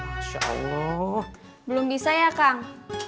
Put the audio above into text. insya allah belum bisa ya kang